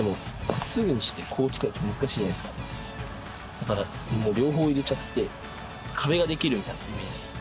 だから両方入れちゃって壁ができるみたいなイメージ。